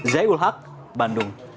zaiul hak bandung